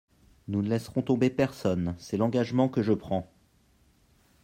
Nous ne laisserons tomber personne, c’est l’engagement que je prends.